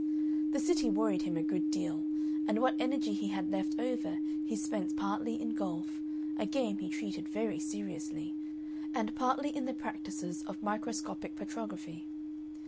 The City worried him a good deal, and what energy he had left over he spent partly in golf, a game he treated very seriously, and partly in the practices of microscopic petrography.